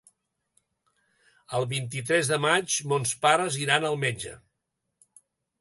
El vint-i-tres de maig mons pares iran al metge.